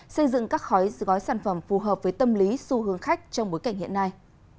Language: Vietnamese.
xây dựng các khói gói sản phẩm phù hợp với tâm lý xu hướng khách trong bối cảnh hiện nay